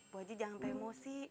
bu haji jangan beremosi